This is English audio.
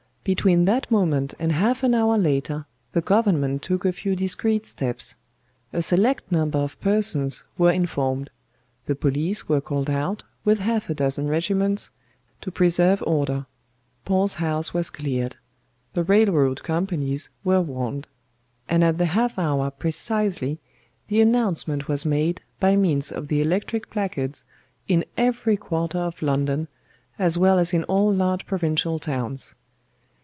Between that moment and half an hour later the Government took a few discreet steps: a select number of persons were informed; the police were called out, with half a dozen regiments, to preserve order; Paul's House was cleared; the railroad companies were warned; and at the half hour precisely the announcement was made by means of the electric placards in every quarter of London, as well as in all large provincial towns.